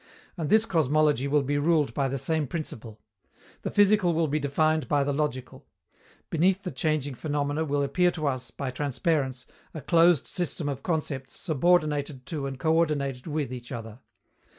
And this cosmology will be ruled by the same principle. The physical will be defined by the logical. Beneath the changing phenomena will appear to us, by transparence, a closed system of concepts subordinated to and coördinated with each other.